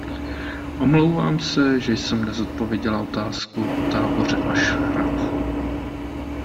Omlouvám se, že jsem nezodpověděla otázku o táboře Ašraf.